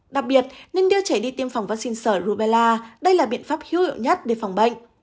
đặc biệt nên đưa trẻ đi tiêm phòng vắc xin sở rubella đây là biện pháp hữu hiệu nhất để phòng bệnh